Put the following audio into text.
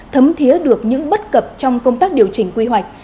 thấm thiế được những bất cập trong công tác điều chỉnh quy hoạch